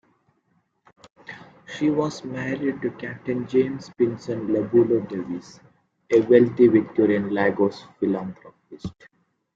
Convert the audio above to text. She was married to Captain James Pinson Labulo Davies, a wealthy Victorian Lagos philanthropist.